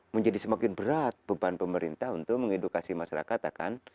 menjadi semakin berat beban pemerintah untuk mengedukasi masyarakat akan